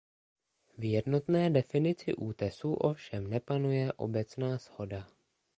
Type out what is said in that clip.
V jednotné definici útesu ovšem nepanuje obecná shoda.